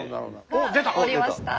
おりました！